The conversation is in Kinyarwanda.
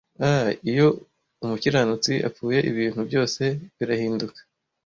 ah iyo umukiranutsi apfuye ibintu byose birahinduka